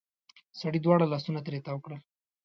سړې دواړه لاسونه ترې تاو کړل.